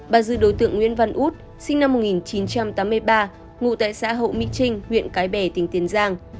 bà dư đối tượng nguyễn văn út sinh năm một nghìn chín trăm tám mươi ba ngụ tại xã hậu mỹ trinh huyện cái bè tỉnh tiền giang